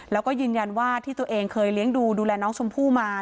แล้วก็ยืนยันว่าที่ตัวเองเคยเลี้ยงดูดูแลน้องชมพู่มา